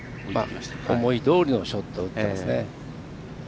思いどおりのショットを打ってますね。